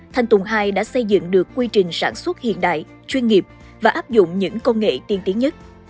thanh tùng hai đã xây dựng được quy trình sản xuất hiện đại chuyên nghiệp và áp dụng những công nghệ tiên tiến nhất